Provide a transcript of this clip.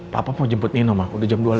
papa mau jemput nino mah udah jam dua lewat